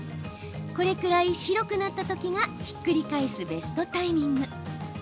これくらい白くなったときがひっくり返すベストタイミング。